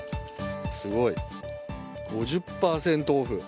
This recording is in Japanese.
すごい！５０％オフ。